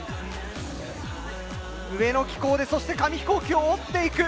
上の機構でそして紙飛行機を折っていく。